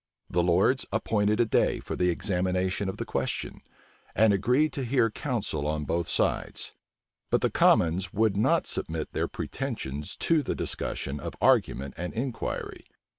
The lords appointed a day for the examination of the question, and agreed to hear counsel on both sides: but the commons would not submit their pretensions to the discussion of argument and inquiry.